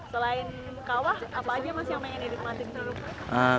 selain kawah apa aja yang masih pengen diikuti